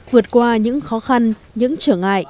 vượt qua những khó khăn những trở ngại